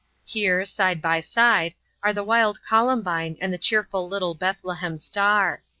Here, side by side, are the wild Columbine and the cheerful little Bethlehem Star.